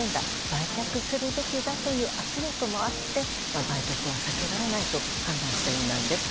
売却するべきだという圧力もあって売却は避けられないと判断したそうなんです。